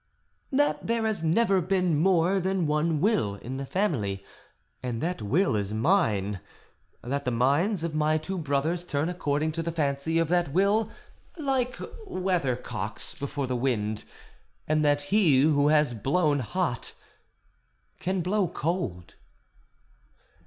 "That there has never been more than one will in the family, and that will is mine; that the minds of my two brothers turn according to the fancy of that will like weathercocks before the wind, and that he who has blown hot can blow cold."